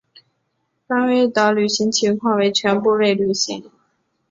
甘薇的履行情况为全部未履行。